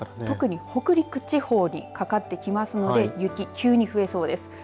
特に北陸地方にかかってきますので雪、急に増えそうです。